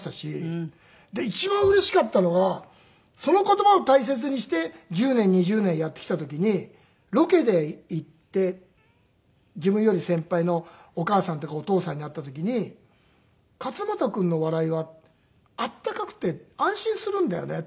で一番うれしかったのはその言葉を大切にして１０年２０年やってきた時にロケで行って自分より先輩のお母さんとかお父さんに会った時に「勝俣君の笑いはあったかくて安心するんだよね」